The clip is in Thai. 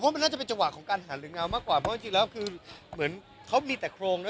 มันน่าจะเป็นจังหวะของการหันหรือเงามากกว่าเพราะจริงแล้วคือเหมือนเขามีแต่โครงนะ